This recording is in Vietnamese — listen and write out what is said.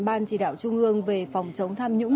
ban chỉ đạo trung ương về phòng chống tham nhũng